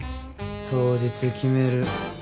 当日決める。